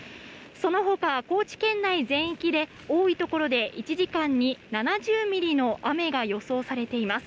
そのほか高知県内全域で、多い所で１時間に７０ミリの雨が予想されています。